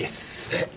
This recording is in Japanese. えっ！？